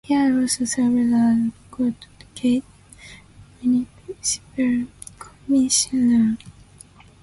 He had also served as Kolkata municipal commissioner.